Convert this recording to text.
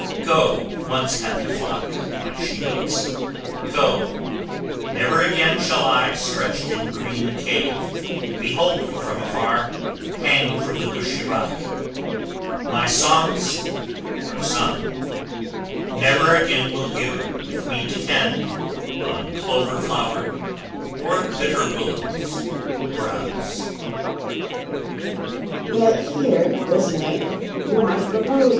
Go, once happy flock, My she goats, go. Never again shall I, Stretched in green cave, behold you from afar Hang from the bushy rock; my songs are sung; Never again will you, with me to tend, On clover flower, or bitter willows, browse.